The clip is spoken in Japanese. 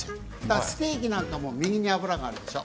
ステーキも右に脂があるでしょう？